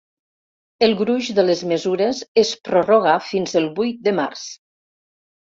El gruix de les mesures es prorroga fins el vuit de març.